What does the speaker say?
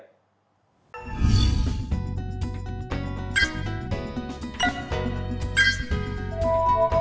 cảnh sát điều tra bộ công an